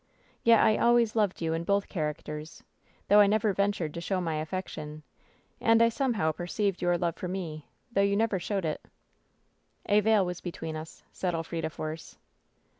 Yet I always loved you in both characters, though I never ventured to show my affection; and I somehow perceived your love for me, though you never showed it !" "A veil was between us," said Elfrida Force.